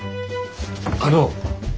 あの。